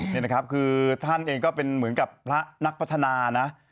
นี่นะครับคือท่านเองก็เป็นเหมือนกับพระนักพัฒนานะ